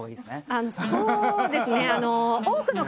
ああそうですね！